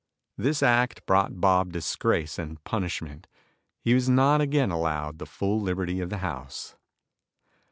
This act brought Bob disgrace and punishment. He was not again allowed the full liberty of the house.